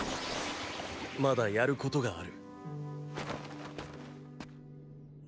まだやることがある。